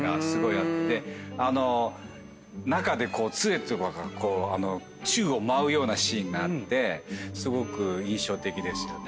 あの中で杖とかが宙を舞うようなシーンがあってすごく印象的ですよね。